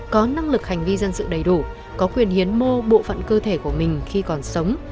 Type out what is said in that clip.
có năng lực hành vi dân sự đầy đủ có quyền hiến mô bộ phận cơ thể của mình khi còn sống